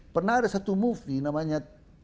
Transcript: pernah ada satu moveni namanya